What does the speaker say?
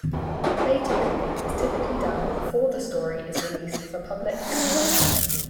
Beta reading is typically done before the story is released for public consumption.